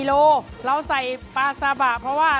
เราใส่ปลาซาบะเพราะมันหอม